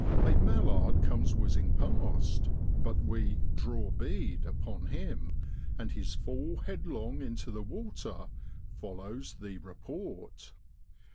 A mallard comes whizzing past, but we ' draw bead ' upon him, and his fall headlong into the water follows the report.